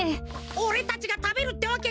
おれたちがたべるってわけか？